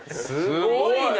すごいね。